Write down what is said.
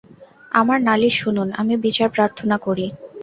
আমার নালিশ শুনুন, আমি বিচার প্রার্থনা করি।